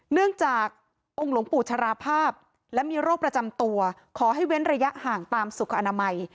เนื่องจากองค์หลวงปู่ชราภาพและมีโรคประจำตัวขอให้เว้นระยะห่างตามสุขอนามัย